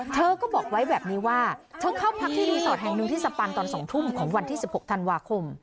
เธอก็บอกไว้แบบนี้ว่าเธอเข้าพักที่รีสอร์ทแห่งหนึ่งที่สปันตอน๒ทุ่มของวันที่๑๖ธันวาคม